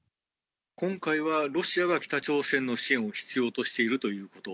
今回は、ロシアが北朝鮮の支援を必要としているということ。